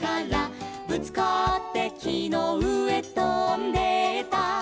「ぶつかってきのうえとんでった」